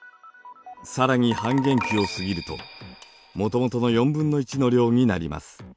更に半減期を過ぎるともともとの４分の１の量になります。